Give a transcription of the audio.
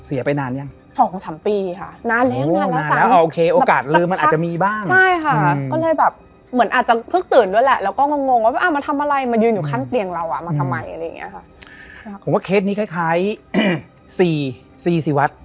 แล้วก็ก็จะมีเหมือนเครื่องดนตรีไทยแล้ว